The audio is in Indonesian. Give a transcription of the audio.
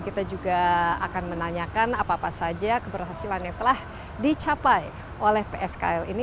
kita juga akan menanyakan apa apa saja keberhasilan yang telah dicapai oleh pskl ini